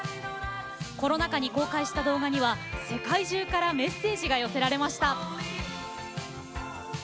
コロナ禍に公開した動画には世界中からメッセージが寄せられました。